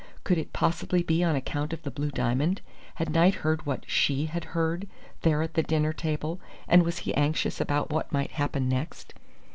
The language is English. Could it possibly be on account of the blue diamond? Had Knight heard what she had heard there at the dinner table, and was he anxious about what might happen next?